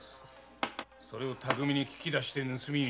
それを巧みに聞き出して盗みに使う。